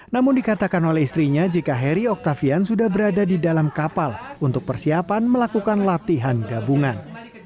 namun dikatakan oleh istrinya jika heri oktavian sudah berada di dalam kapal untuk persiapan melakukan latihan gabungan